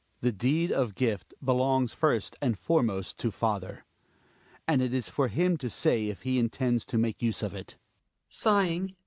Hjalmar. The deed of gift belongs first and foremost to father; and it is for him to say if he intends to make use of it GiNA {sighing).